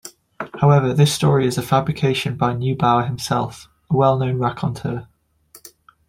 However, this story is a fabrication by Neubauer himself, a well-known raconteur.